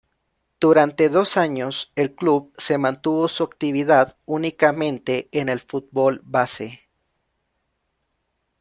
Durante dos años el club se mantuvo su actividad únicamente en el fútbol base.